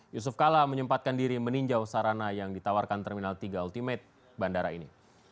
yusuf kala menyempatkan diri meninjau sarana yang ditawarkan terminal tiga ultimate bandara ini